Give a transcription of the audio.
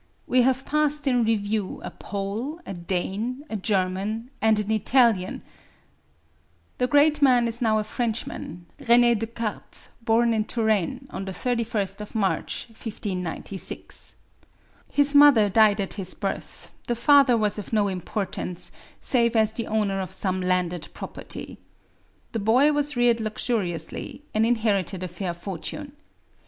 We have passed in review a Pole, a Dane, a German, and an Italian, the great man is now a Frenchman, René Descartes, born in Touraine, on the 31st of March, 1596. His mother died at his birth; the father was of no importance, save as the owner of some landed property. The boy was reared luxuriously, and inherited a fair fortune.